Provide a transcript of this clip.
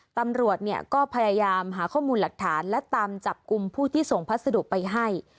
ตำรวจเนี่ยก็พยายามหาข้อมูลหลักฐานและตามจับกลุ่มผู้ที่ส่งพัสดุไปให้